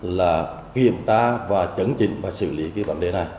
là kiểm tra và chấn chỉnh và xử lý cái vấn đề này